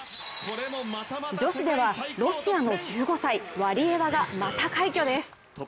女子ではロシアの１５歳、ワリエワがまた快挙です。